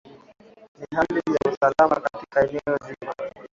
na hali ya usalama katika eneo zima